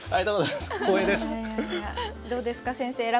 どうですか先生。